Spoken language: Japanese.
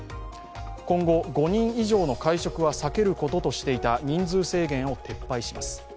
今後、５人以上の会食は避けることとしていた人数制限を撤廃します。